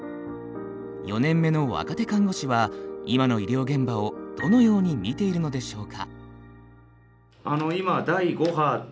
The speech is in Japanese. ４年目の若手看護師は今の医療現場をどのように見ているのでしょうか。